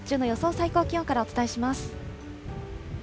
最高気温からお伝えします。